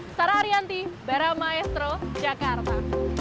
sarah ariyanti baramaestro jakarta